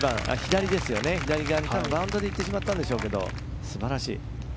左側にバウンドで行ってしまったんでしょうけど素晴らしい。